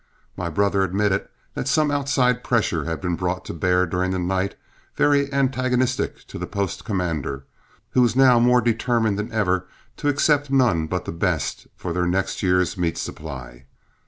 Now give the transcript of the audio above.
My brother admitted that some outside pressure had been brought to bear during the night, very antagonistic to the post commander, who was now more determined than ever to accept none but the best for their next year's meat supply.